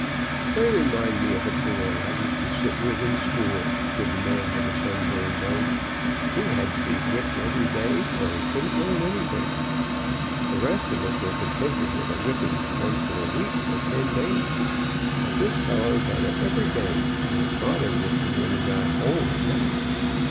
"They remind me of a boy I used to sit with in school," said the man with the sunburned nose. "He had to be whipped every day, or he couldn't learn anything. The rest of us were contented with a whip ping once in a week or ten days, but this fellow got it every day, and his iather whipped him when he got home at night.